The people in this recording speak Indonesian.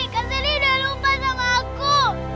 kak selly udah lupa sama aku